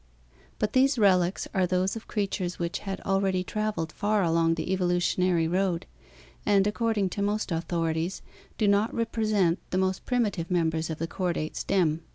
But these relics are those of creatures which had already traveled far along the evolutionary road and, according to most authorities, do not represent the most primitive members of the chordate stem.